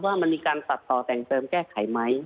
ว่ามันมีการตัดต่อแต่งเติมแก้ไขไหม